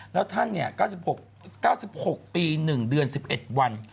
แล้วท่าน๙๖ปี๑เดือน๑๑วัน